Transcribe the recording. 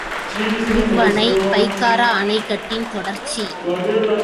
இவ்வணை பைக்காரா அணைக்கட்டின் தொடர்ச்சி.